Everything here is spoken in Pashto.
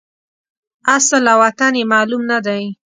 اصل او وطن یې معلوم نه دی.